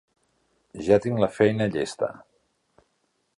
Ja tinc la feina llesta.